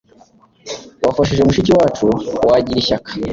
wafashije mushiki wacu wagiraga ishyaka